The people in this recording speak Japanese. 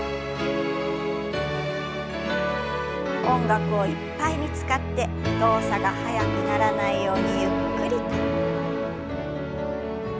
音楽をいっぱいに使って動作が速くならないようにゆっくりと。